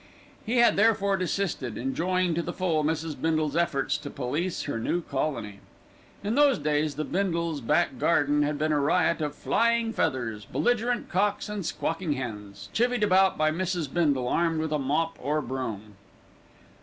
He had therefore desisted, enjoying to the full Mrs. Bindle's efforts to police her new colony. In those days, the Bindle's back garden had been a riot of flying feathers, belligerent cocks and squawking hens, chivvied about by Mrs. Bindle, armed with mop or broom.